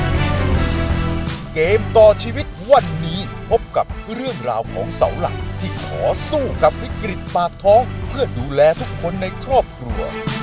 เกมต่อชีวิตวันนี้พบกับเรื่องราวของเสาหลักที่ขอสู้กับวิกฤตปากท้องเพื่อดูแลทุกคนในครอบครัว